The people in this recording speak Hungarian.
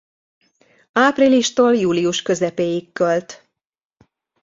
Áprilistól július közepéig költ.